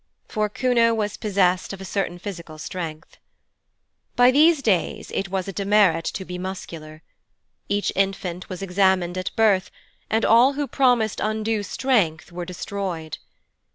For Kuno was possessed of a certain physical strength. By these days it was a demerit to be muscular. Each infant was examined at birth, and all who promised undue strength were destroyed.